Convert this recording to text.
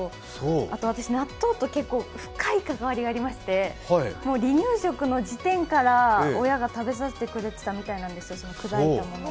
あと私、納豆と結構深い関わりがありまして離乳食の時点から親が食べさせてくれてたみたいなんですよ、砕いたものを。